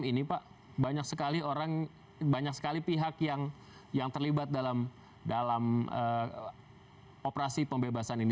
ini pak banyak sekali orang banyak sekali pihak yang terlibat dalam operasi pembebasan ini